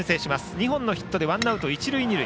２本のヒットでワンアウト一塁二塁。